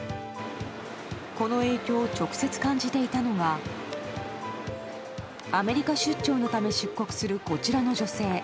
この影響を直接感じていたのがアメリカ出張のため出国する、こちらの女性。